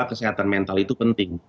kesehatan mental itu penting